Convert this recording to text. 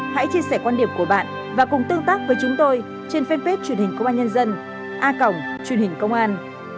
hãy chia sẻ quan điểm của bạn và cùng tương tác với chúng tôi trên fanpage truyền hình công an nhân dân a cổng truyền hình công an